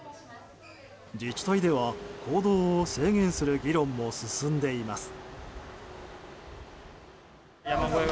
自治体では行動を制限する議論も進んでいます。